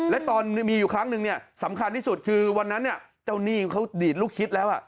และตอนมีอยู่ครั้งนึงเนี่ยสำคัญที่สุดคือวันนั้นเจ้าหนี้เขาดีดลูกคิดแล้ว